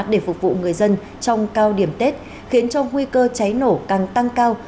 để phục vụ người dân trong cao điểm tết khiến cho nguy cơ cháy nổ càng tăng cao